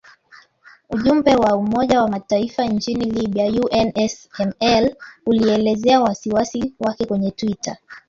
Ujumbe wa Umoja wa Mataifa nchini Libya (UNSML) ulielezea wasiwasi wake kwenye twitter